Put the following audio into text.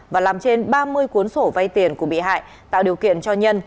và làm trên ba mươi cuốn sổ vay tiền của bị hại tạo điều kiện cho nhân